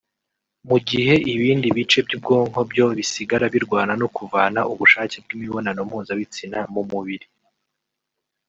mu gihe ibindi bice by’ubwonko byo bisigara birwana no kuvana ubushake bw’imibonano mpuzabitsina mu mubiri